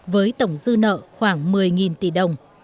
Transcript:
với tổng dư nợ khoảng một mươi tỷ đồng